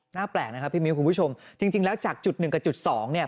แปลกนะครับพี่มิ้วคุณผู้ชมจริงแล้วจากจุดหนึ่งกับจุดสองเนี่ย